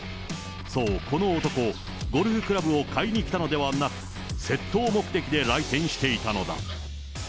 そう、この男、ゴルフクラブを買いに来たのではなく、窃盗目的で来店していたのだ。